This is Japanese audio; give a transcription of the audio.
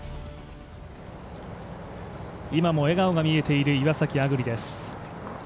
今も笑顔が見えている岩崎亜久竜です。